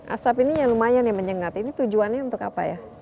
asap ini ya lumayan ya menyengat ini tujuannya untuk apa ya